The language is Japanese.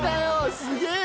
すげえな！